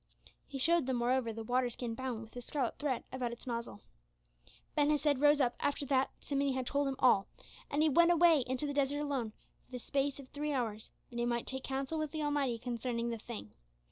He showed them, moreover, the water skin bound with a scarlet thread about its nozzle. Ben Hesed rose up after that Simeon had told him all, and he went away into the desert alone for the space of three hours, that he might take counsel with the Almighty concerning the thing.